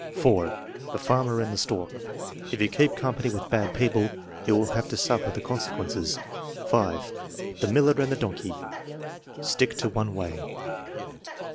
4. The Farmer and the Stork: "If you keep company with bad people you will have to suffer the conse quences." 5. The Miller and the Donkey: "Stick to one way."